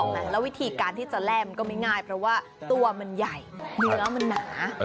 แล้ววิธีการที่จะแร่มันก็ไม่ง่ายเพราะว่าตัวมันใหญ่เนื้อมันหนา